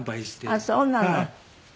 あっそうなの。